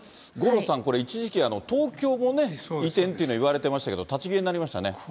五郎さん、これ、一時期、東京もね、移転というのいわれてましたけど、立ち消えになりましたね。